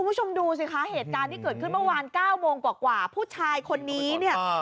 คุณผู้ชมดูสิคะเหตุการณ์ที่เกิดขึ้นเมื่อวาน๙โมงกว่าผู้ชายคนนี้เนี่ย